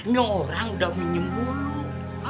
nyorang udah minjem duit emak